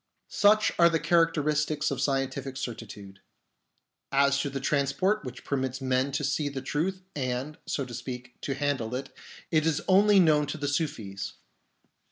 Such are the characteristics of scientific certi tude. As to the transport which permits men to see the truth and, so to speak, to handle it, it is only known to the Sufis.